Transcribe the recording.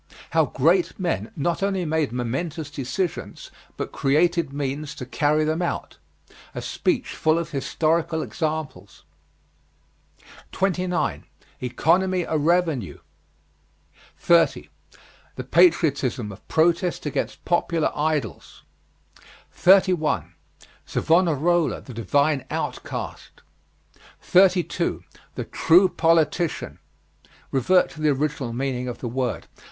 How great men not only made momentous decisions but created means to carry them out. A speech full of historical examples. 29. ECONOMY A REVENUE. 30. THE PATRIOTISM OF PROTEST AGAINST POPULAR IDOLS. 31. SAVONAROLA, THE DIVINE OUTCAST. 32. THE TRUE POLITICIAN. Revert to the original meaning of the word.